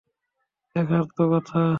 দেখার তো কথা!